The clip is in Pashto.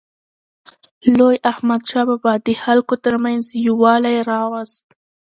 لوی احمدشاه بابا د خلکو ترمنځ یووالی راوست.